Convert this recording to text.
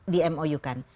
di mou kan